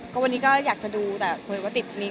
ก็บอกว่าครับว่าไอจี